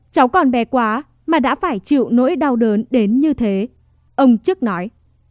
cháu còn bé quá mà đã phải chịu nỗi đau đớn đến như thế ông trước nói